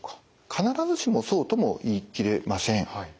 必ずしもそうとも言い切れません。